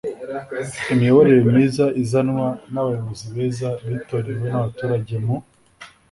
imiyoborere myiza izanwa n'abayobozi beza bitorewe n'abaturage mu